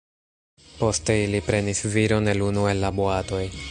Poste ili prenis viron el unu el la boatoj.